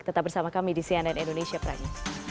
tetap bersama kami di cnn indonesia pranyu